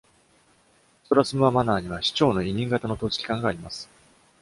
ストラスムア・マナーには、市長の委任型の統治機関があります。